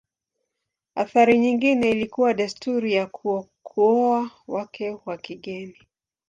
Athari nyingine ilikuwa desturi ya kuoa wake wa kigeni.